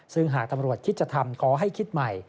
ซึ่งหากตำรวจคิดจะทำขอให้คิดใหม่